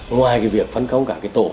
ngoài việc phân công cả tổ